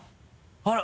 あら。